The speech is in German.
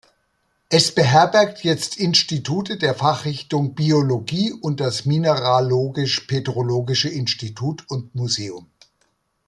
Es beherbergt jetzt Institute der Fachrichtung Biologie und das Mineralogisch-Petrologische Institut und Museum.